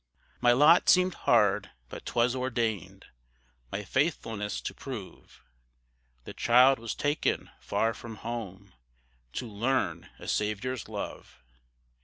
My lot seem'd hard, but 'twas ordained, My faithfulness to prove, The child was taken far from home, To learn a Saviour's love.